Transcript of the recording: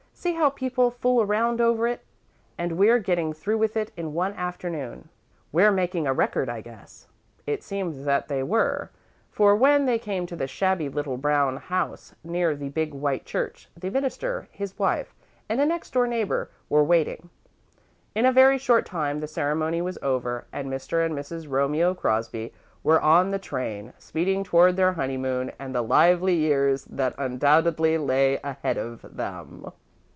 See how people fool around over it, and we're getting through with it in one afternoon. We're making a record, I guess." It seemed that they were, for when they came to the shabby little brown house, near the big white church, the minister, his wife, and a next door neighbour were waiting. In a very short time, the ceremony was over and Mr. and Mrs. Romeo Crosby were on the train, speeding toward their honeymoon and the lively years that undoubtedly lay ahead of them.